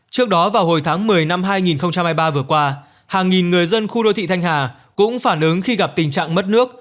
trước đó vào hồi tháng một mươi năm hai nghìn hai mươi ba vừa qua hàng nghìn người dân khu đô thị thanh hà cũng phản ứng khi gặp tình trạng mất nước